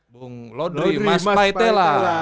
bung lodri mas paitela